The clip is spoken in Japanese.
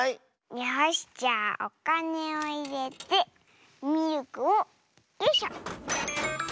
よしじゃあおかねをいれてミルクをよいしょ！